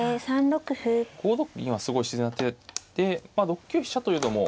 ５六銀はすごい自然な手で６九飛車というのも。